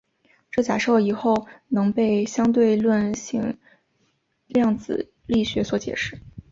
这假设以后能被相对论性量子力学所解释。